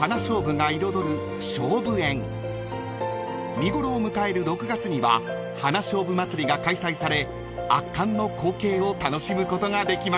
［見頃を迎える６月には花菖蒲まつりが開催され圧巻の光景を楽しむことができます］